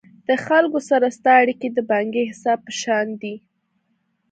د خلکو سره ستا اړیکي د بانکي حساب په شان دي.